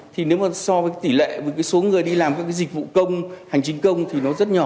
thì nếu mà so với tỷ lệ với số người đi làm các cái dịch vụ công hành chính công thì nó rất nhỏ